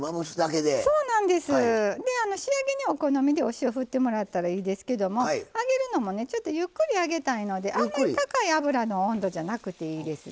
で仕上げにお好みでお塩振ってもらったらいいですけども揚げるのもねちょっとゆっくり揚げたいのであんまり高い油の温度じゃなくていいですね。